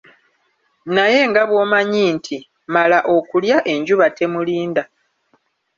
Naye nga bw'omanyi nti; "Mala okulya", enjuba temulinda.